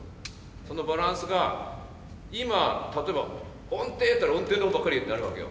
そのバランスが今例えば音程っていったら音程の方ばっかりになるわけよ。